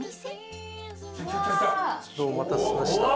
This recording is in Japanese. うわ。お待たせしました。